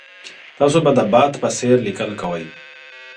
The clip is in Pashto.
تاسو به د باد په څېر لیکل کوئ.